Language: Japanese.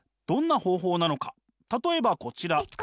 例えばこちら。